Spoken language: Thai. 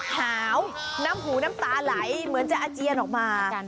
หาวน้ำหูน้ำตาไหลเหมือนจะอาเจียนออกมา